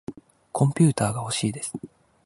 コンピューターがほしいです。